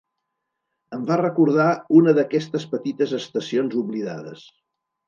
Em va recordar una d'aquestes petites estacions oblidades.